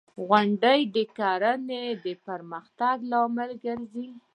• غونډۍ د کرنې د پرمختګ لامل ګرځي.